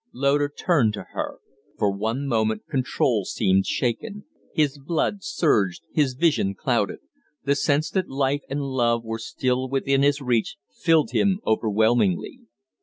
Loder turned to her. Far one moment control seemed shaken; his blood surged, his vision clouded; the sense that life and love were still within his reach filled him overwhelmingly.